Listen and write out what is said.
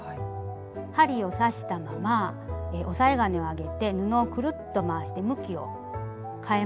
針を刺したまま押さえ金を上げて布をくるっと回して向きをかえます。